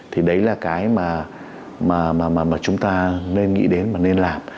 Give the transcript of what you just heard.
thì đấy là cái mà chúng ta nên nghĩ đến mà nên làm